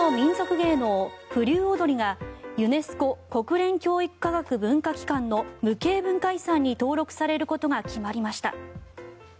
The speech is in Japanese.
芸能風流踊がユネスコ・国連教育科学文化機関の無形文化遺産に登録されることが決まりました。